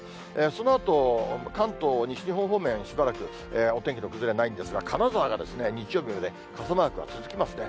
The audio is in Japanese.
そのあと、関東、西日本方面、しばらくお天気の崩れはないんですが、金沢が、日曜日まで傘マークが続きますね。